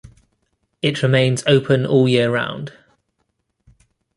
It remains open all year round.